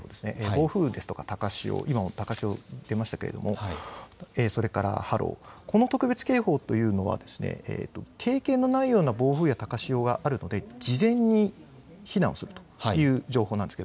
暴風ですとか高潮、今も高潮、出ましたがそれから波浪の特別警報というのは、経験のないような暴風や高潮があるので事前に避難をするという情報なんです。